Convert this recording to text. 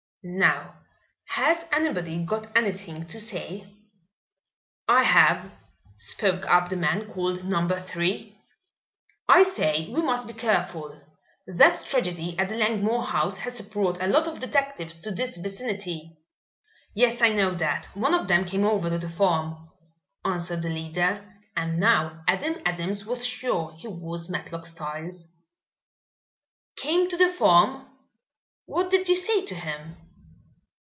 "Now, has anybody got anything to say?" "I have," spoke up the man called Number Three. "I say we must be careful. That tragedy at the Langmore house has brought a lot of detectives to this vicinity." "Yes, I know that. One of them came over to the farm," answered the leader, and now Adam Adams was sure he was Matlock Styles. "Came to the farm? What did you say to him?"